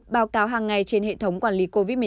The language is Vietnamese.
báo cáo hàng ngày trên hệ thống quản lý covid một mươi chín